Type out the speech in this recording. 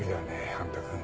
半田君。